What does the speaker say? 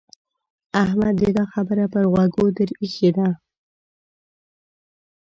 احمد دې دا خبره پر غوږو در اېښې ده.